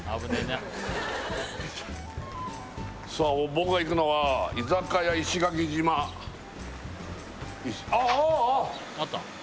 僕が行くのは居酒屋石垣島あああー！